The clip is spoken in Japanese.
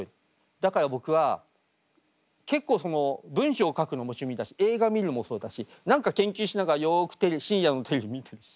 だから僕は結構文章書くのも趣味だし映画見るのもそうだし何か研究しながらよくテレビ深夜のテレビ見てます。